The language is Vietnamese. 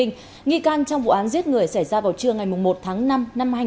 nghi can trong vụ án giết người xảy ra vào trưa ngày một tháng năm năm hai nghìn hai mươi